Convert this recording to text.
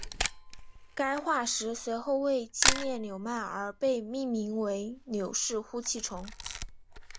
该化石随后为纪念纽曼而被命名为纽氏呼气虫。